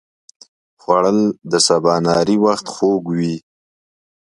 خوړل د سباناري وخت خوږوي